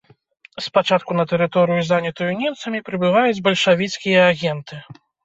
Спачатку на тэрыторыю, занятую немцамі, прыбываюць бальшавіцкія агенты.